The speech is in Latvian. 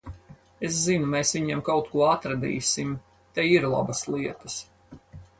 Es zinu, mēs viņiem kaut ko atradīsim. Te ir labas lietas.